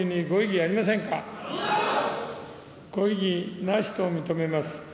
ご異議なしと認めます。